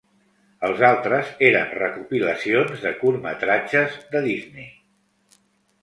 Els altres eren recopilacions de curtmetratges de Disney.